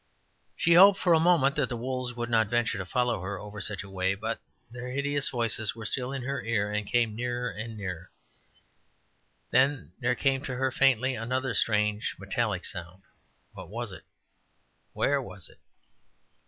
She hoped for a moment that the wolves would not venture to follow her over such a way; but their hideous voices were still in her ear and came nearer and nearer. Then there came to her, faintly, another, a strange, metallic sound. What was it? Where was it?